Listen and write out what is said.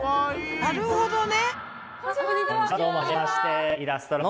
なるほどね。